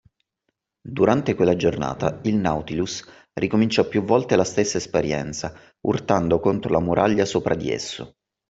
Durante quella giornata, il Nautilus ricominciò più volte la stessa esperienza urtando contro la muraglia sopra di esso.